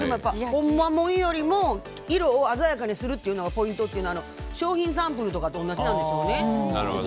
ほんまもんよりも色を鮮やかにするのがポイントっていうのは商品サンプルとかと同じなんですよね。